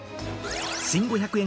新５００円